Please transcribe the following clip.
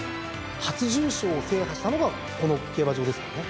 初重賞を制覇したのがこの競馬場ですからね。